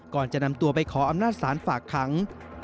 ก่อนจะนำตัวไปขออำนาจศาลฝากขัง